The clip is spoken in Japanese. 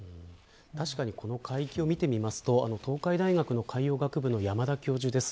この海域を見ると、東海大学の海洋学部の山田教授です。